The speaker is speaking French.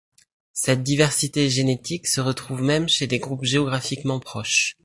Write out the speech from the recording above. Cette diversité génétique se retrouve même chez des groupes géographiquement proches.